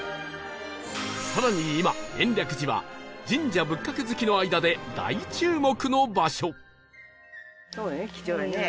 さらに今延暦寺は神社仏閣好きの間で大注目の場所